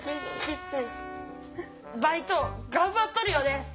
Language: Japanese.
バイト頑張っとるよね。